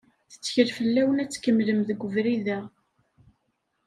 Tettkel fell-awen ad tkemlem deg ubrid-a.